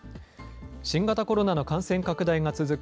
新型コロナの感染拡大が続く